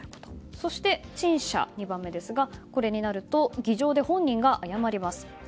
そして２番目の陳謝になると議場で本人が謝ります。